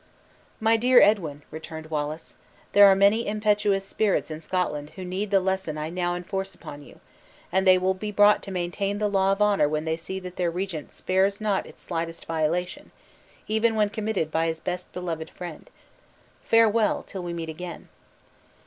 "My dear Edwin," returned Wallace, "there are many impetuous spirits in Scotland who need the lesson I now enforce upon you; and they will be brought to maintain the law of honor when they see that their regent spares not its slightest violation, even when committed by his best beloved friend. Farewell till we meet again!"